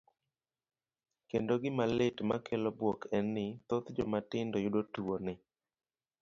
Kendo gima lit makelo buok en ni thoth joma tindo yudo tuoni.